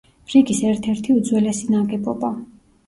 რიგის ერთ-ერთი უძველესი ნაგებობა.